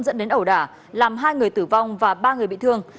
dẫn đến ẩu đả làm hai người tử vong và ba người bị thương